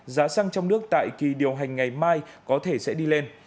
giá xăng trong nước tại kỳ điều hành ngày mai có thể sẽ đi lên